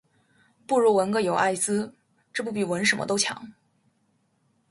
不如纹个“有艾滋”这不比纹什么都强